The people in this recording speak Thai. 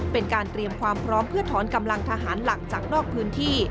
เป็นการเตรียมความพร้อมเพื่อถอนกำลังทหารหลักจากนอกพื้นที่